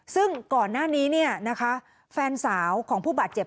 ซึ่งก่อนหน้านี้เนี่ยนะคะแฟนสาวของผู้บาดเจ็บ